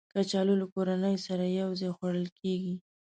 کچالو له کورنۍ سره یو ځای خوړل کېږي